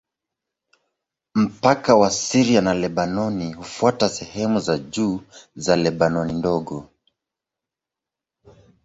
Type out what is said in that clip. Mpaka wa Syria na Lebanoni hufuata sehemu za juu za Lebanoni Ndogo.